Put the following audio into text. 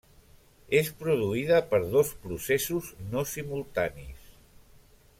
És produïda per dos processos no simultanis.